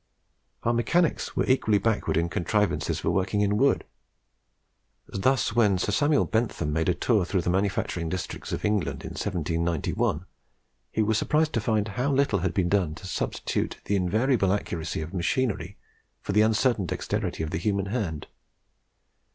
Our mechanics were equally backward in contrivances for working in wood. Thus, when Sir Samuel Bentham made a tour through the manufacturing districts of England in 1791, he was surprised to find how little had been done to substitute the invariable accuracy of machinery for the uncertain dexterity of the human hand.